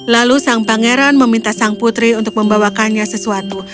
lalu sang pangeran meminta sang putri untuk membawakannya sesuatu